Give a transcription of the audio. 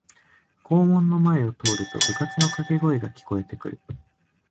校門の前を通ると部活のかけ声が聞こえてくる